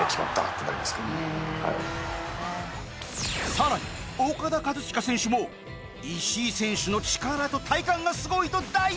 更にオカダ・カズチカ選手も石井選手の力と体幹がすごいと大絶賛！